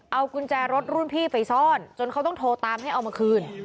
เอากุญแจรถรุ่นพี่ไปซ่อนจนเขาต้องโทรตามให้เอามาคืน